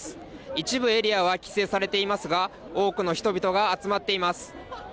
一部エリアは規制されていますが多くの人々が集まっています。